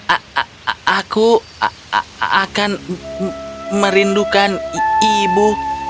a a a aku akan merindukan ibu